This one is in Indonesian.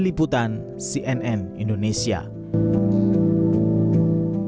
di kampung kabupaten bandung senin pagi